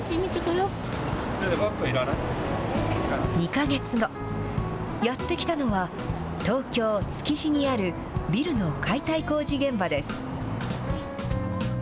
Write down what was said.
２か月後、やって来たのは、東京・築地にあるビルの解体工事現場です。